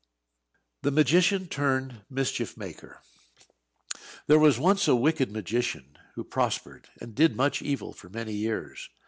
THE MAGICIAN TURNED MISCHIEF MAKER. There was once a wicked magician who prospered, and did much evil for many years.